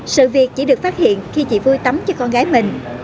sự việc chỉ được phát hiện khi chị vui tắm cho con gái mình